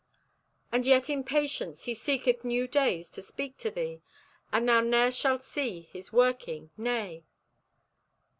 "And yet, in patience, He seeketh new days to speak to thee. And thou ne'er shalt see His working. Nay!